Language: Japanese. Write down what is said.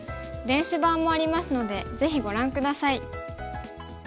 電子版もありますのでぜひご覧下さい。